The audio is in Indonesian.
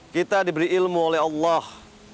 kita diberi ilmu oleh allah